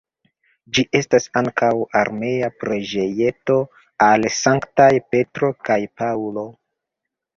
Ĝi estas ankaŭ armea preĝejeto al sanktaj Petro kaj Paŭlo.